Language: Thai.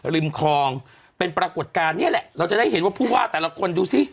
ริมคลองเป็นปรากฏการณ์เนี่ยแหละเราจะได้เห็นว่าผู้ว่าแต่ละคนดูสิ